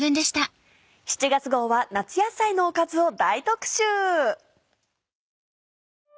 ７月号は夏野菜のおかずを大特集！